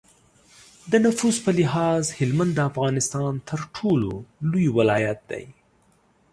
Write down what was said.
د نفوس په لحاظ هلمند د افغانستان تر ټولو لوی ولایت دی.